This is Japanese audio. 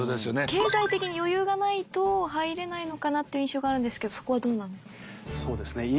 経済的に余裕がないと入れないのかなっていう印象があるんですけどそこはどうなんですか？